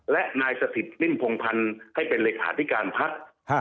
และนายสถิตนิ่มพงพันธ์ให้เป็นเลขาธิการพัก